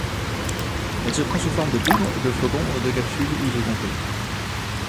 Elle se prend sous forme de poudre, de flocons, de capsules ou de comprimés.